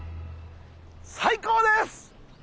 最高です！